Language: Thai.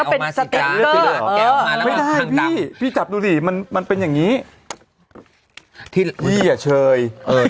มันไม่ได้แคร่งมาพี่พี่จับดูดิมันมันเป็นอย่างนี้พี่อะเชย